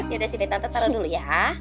yaudah sini tata taruh dulu ya